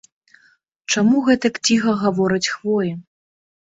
Чаму гэтак ціха гавораць хвоі?